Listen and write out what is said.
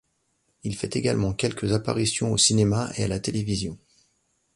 Il fait également quelques appartitions au cinéma et à la télévision.